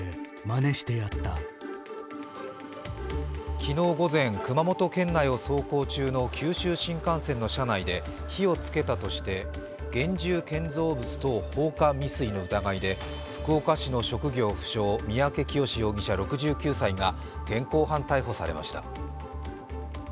昨日午前、熊本県内を走行中の九州新幹線の車内で、火を付けたとして現住建造物等放火未遂の疑いで福岡市の職業不詳・三宅潔容疑者６９歳が現行犯逮捕されました。